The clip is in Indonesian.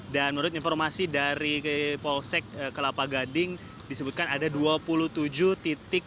dan menurut informasi dari polsek kelapa gading disebutkan ada dua puluh tujuh titik